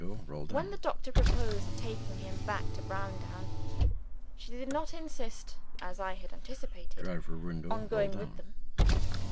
_ When the doctor proposed taking him back to Browndown, she did not insist, as I had anticipated, on going with them.